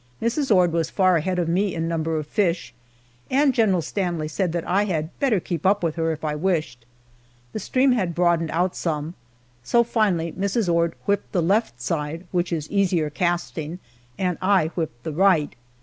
Mrs. Ord was far ahead of me in number of fish, and General Stanley said that I had better keep up with her, if I wished. The stream had broadened out some, so finally Mrs. Ord whipped the left side, which is easier casting, and I whipped the right.